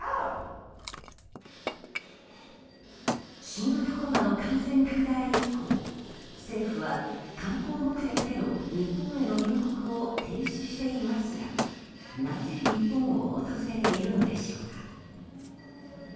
新型コロナの感染拡大以降政府は観光目的での日本への入国を停止していますがなぜ日本を訪れているのでしょうか。